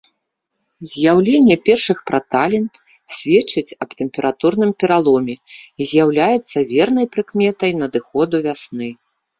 З'яўленне першых праталін сведчыць аб тэмпературным пераломе і з'яўляецца вернай прыкметай надыходу вясны.